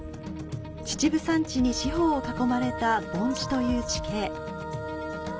秩父山地に四方を囲まれた盆地という地形。